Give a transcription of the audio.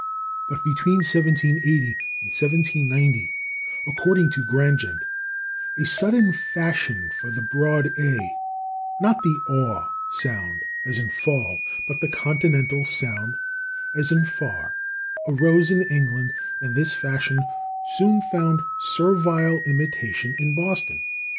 But between 1780 and 1790, according to Grandgent, a sudden fashion for the broad /a/ (not the /aw/ sound, as in /fall/, but the Continental sound as in /far/) arose in England, and this fashion soon found servile imitation in Boston.